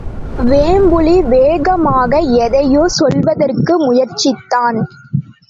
வேம்புலி வேகமாக எதையோ சொல்வதற்கு முயற்சித்தான்.